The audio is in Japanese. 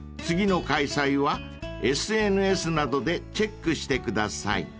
［次の開催はＳＮＳなどでチェックしてください］